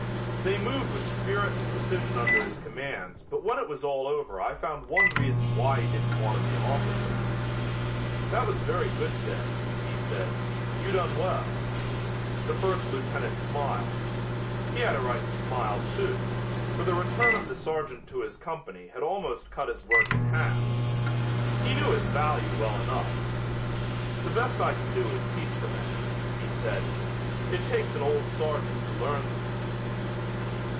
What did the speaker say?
They moved with spirit and precision under his commands but when it was all over I found one reason why he didn't want to be an officer. "That was very good today," he said. "You done well." The first lieutenant smiled. He had a right to smile, too, for the return of the sergeant to his company had almost cut his work in half. He knew his value well enough. "The best I can do is teach the men," he said. "It takes an old sergeant to learn them."